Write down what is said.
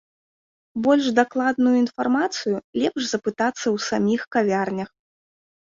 Больш дакладную інфармацыю лепш запытацца ў саміх кавярнях.